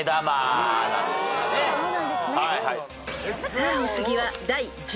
［さあお次は］